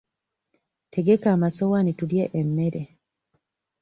Tegeka amasowaani tulye emmere.